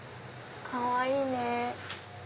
かわいいね。